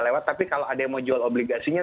lewat tapi kalau ada yang mau jual obligasinya